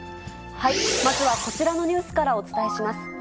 まずはこちらのニュースからお伝えします。